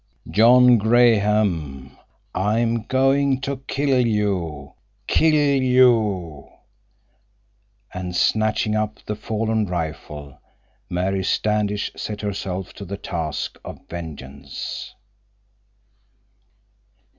"John Graham, I'm going to kill you—kill you—" And snatching up the fallen rifle Mary Standish set herself to the task of vengeance.